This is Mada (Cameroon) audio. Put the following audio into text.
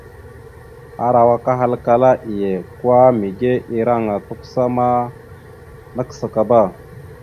Arawak ahalkala iye kwa mege ireŋa tʉkəsaba ma nakəsakaba.